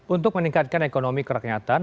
untuk meningkatkan ekonomi keraknyatan